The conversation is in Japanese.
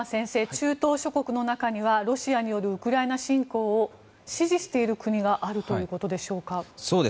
中東諸国の中にはロシアによるウクライナ侵攻を支持している国があるということでしょうか。